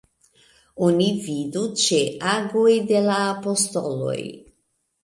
Oni vidu ĉe Agoj de la Apostoloj.